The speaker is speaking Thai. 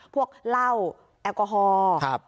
พวกเหล้าแอลกอฮอล์